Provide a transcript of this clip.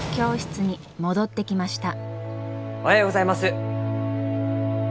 おはようございます。